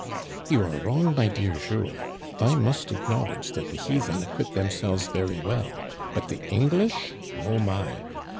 " You are wrong, my dear Jules. I must acknowl edge that the heathen acquit themselves very well ; but the English ? Oh, my